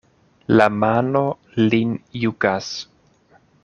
La mano lin jukas.